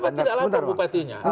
kenapa tidak lupa bupatinya